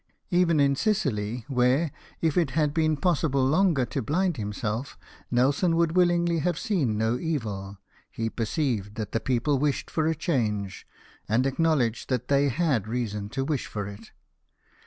Even in Sicily SARDimA. 277 where, if it had been possible longer to blind him self, Nelson would willingly have seen no evil, he perceived that the people wished for a change, and acknowledged that they had reason to wish for it.